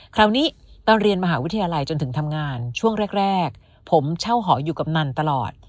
คราวนี้ตอนเรียนมหาวิทยาลัยจนถึงทำงานช่วงแรกผมเช่าหออยู่กำนันตลอด